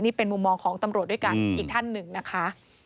นี่เป็นมุมมองของตำรวจด้วยกันอีกท่านหนึ่งนะคะ